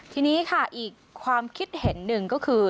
ทีนี้ค่ะอีกความคิดเห็นหนึ่งก็คือ